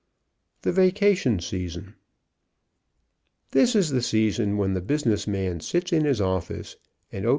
THE VACATION SEASON. This is the season when the business man sits in his office and O.